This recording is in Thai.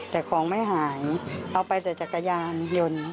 แต่ของไม่หายเอาไปแต่จักรยานยนต์